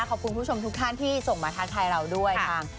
คุณผู้ชมทุกท่านที่ส่งมาทักทายเราด้วย